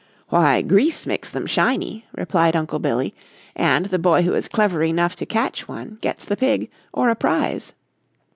"Why, grease makes them shiny," replied Uncle Billy, "and the boy who is clever enough to catch one gets the pig, or a prize."